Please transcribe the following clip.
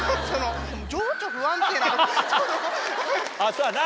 そうだな。